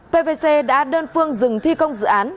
pvc đã đơn phương dừng thi công dự án